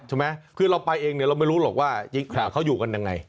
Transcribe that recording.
ใช่ไหมคือเราไปเองเนี่ยเราไม่รู้หรอกว่าเขาอยู่กันยังไง